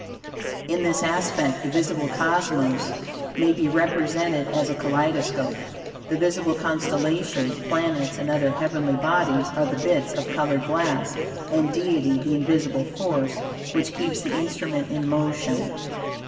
In this aspect the visible cosmos may be represented as a kaleidoscope. The visible constellations, planets, and other heavenly bodies, are the bits of colored glass; and Deity the invisible force, which keeps the instrument in motion.